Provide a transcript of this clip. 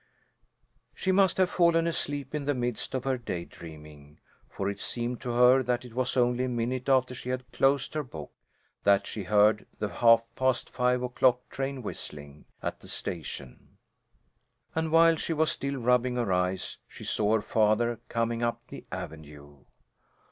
She must have fallen asleep in the midst of her day dreaming, for it seemed to her that it was only a minute after she closed her book, that she heard the half past five o'clock train whistling at the station, and while she was still rubbing her eyes she saw her father coming up the avenue.